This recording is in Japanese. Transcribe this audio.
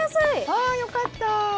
ああよかった。